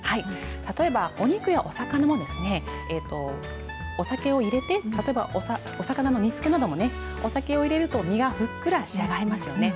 例えば、お肉やお魚も、お酒を入れて、例えば、お魚の煮つけなどもね、お酒を入れると、身がふっくらと仕上がりますよね。